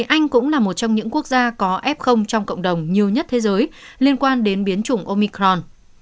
anh cũng là một trong những quốc gia có f trong cộng đồng nhiều nhất thế giới liên quan đến biến chủng omicron